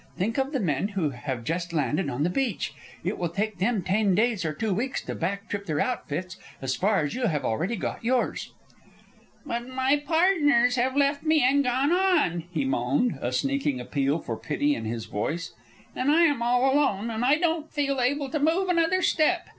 Think of the men who have just landed on the beach. It will take them ten days or two weeks to back trip their outfits as far as you have already got yours." "But my partners have left me and gone on," he moaned, a sneaking appeal for pity in his voice. "And I am all alone, and I don't feel able to move another step.